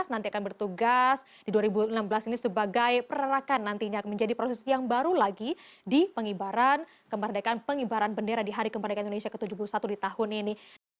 nanti akan bertugas di dua ribu enam belas ini sebagai perakan nantinya menjadi proses yang baru lagi di pengibaran pengibaran bendera di hari kemerdekaan indonesia ke tujuh puluh satu di tahun ini